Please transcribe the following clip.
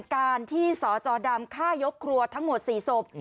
การที่สจดำฆ่ายกครัวทั้งหมด๔ศพ